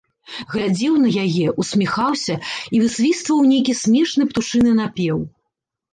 Глядзеў на яе, усміхаўся і высвістваў нейкі смешны птушыны напеў.